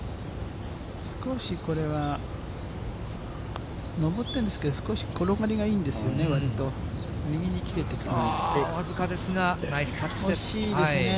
少しこれは上ってるんですけど、少し転がりがいいんですよね、僅かですが、ナイスタッチで惜しいですね。